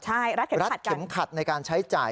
ใช่รัดเข็มขัดกันรัดเข็มขัดในการใช้จ่าย